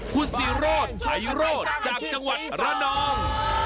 พุศีโรศไหร่โรศจากจังหวัดระนอง